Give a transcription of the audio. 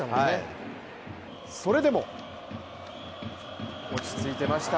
それでも落ち着いてました。